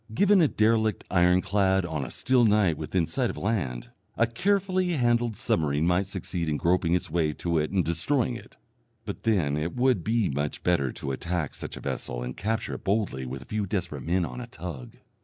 Given a derelict ironclad on a still night within sight of land, a carefully handled submarine might succeed in groping its way to it and destroying it; but then it would be much better to attack such a vessel and capture it boldly with a few desperate men on a tug.